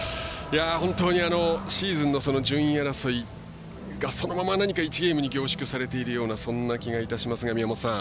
本当にシーズンの順位争いがそのまま１ゲームに凝縮されているようなそんな気がいたしますが宮本さん。